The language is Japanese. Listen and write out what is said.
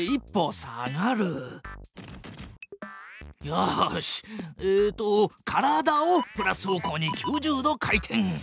よしえっと体をプラス方向に９０度回転！